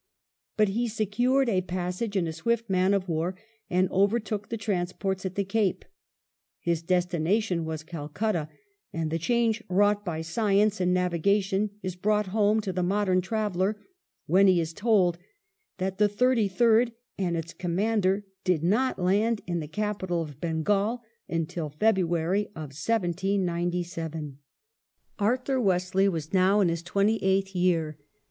But he secured a passage in a swift man of war, and overtook the trans ports at the Cape. His destination was Calcutta ; and the change wrought by science in navigation is brought home to the modem traveller when he is told that the Thirty third and its commander did not land in the capital of Bengal until February 1797. 14 WELLINGTON chap, i Arthur Wesley was now in his twenty eighth year.